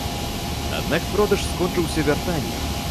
Аднак продаж скончыўся вяртаннем.